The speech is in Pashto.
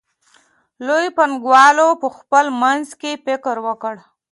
لویو پانګوالو په خپل منځ کې فکر وکړ